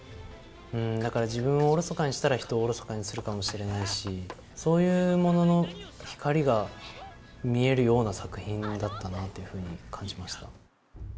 だから自分をおろそかにしたら、人をおろそかにするかもしれないし、そういうものの光が見えるような作品だったなっていうふうに感じました。